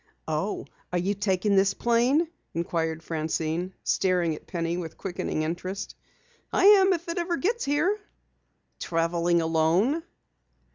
"Oh, are you taking this plane?" inquired Francine, staring at Penny with quickening interest. "I am if it ever gets here." "Traveling alone?"